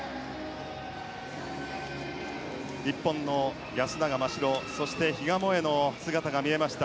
日本の安永真白、そして比嘉もえの姿が見えました。